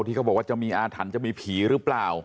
ที่เค้าบอกว่าจะมีภาพอาถันจะมีผีหรือเปล่า